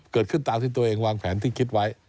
เกิดขึ้นตามที่ตัวเองวางแผนที่คิดไว้